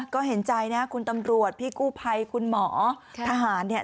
ก็เห็นใจนะคุณตำรวจพี่กู้ภัยคุณหมอทหารเนี่ย